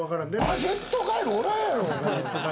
バジェットガエルおらんやろ！